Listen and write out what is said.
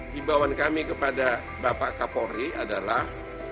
himbauan kami kepada bapak kapolri adalah